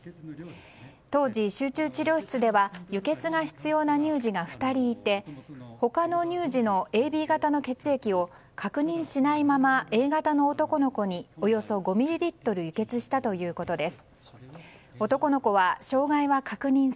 当時、集中治療室では輸血が必要な乳児が２人いて他の乳児のＡＢ型の血液を確認しないままＡ型の男の子におよそ５ミリリットル輸血したということです。